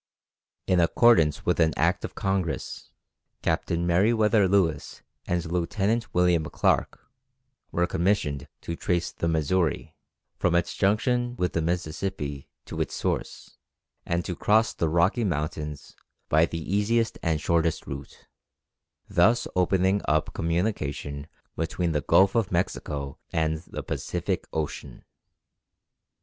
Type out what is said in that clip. In accordance with an Act of Congress, Captain Merryweather Lewis and Lieutenant William Clarke, were commissioned to trace the Missouri, from its junction with the Mississippi to its source, and to cross the Rocky Mountains by the easiest and shortest route, thus opening up communication between the Gulf of Mexico and the Pacific Ocean.